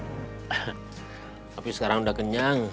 tapi sekarang udah kenyang